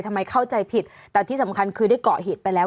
เข้าใจผิดแต่ที่สำคัญคือได้เกาะเหตุไปแล้ว